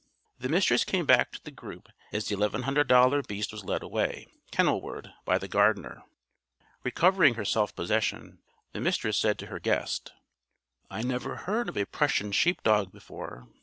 The Mistress came back to the group as the $1100 beast was led away, kennelward, by the gardener. Recovering her self possession, the Mistress said to her guest: "I never heard of a Prussian sheep dog before.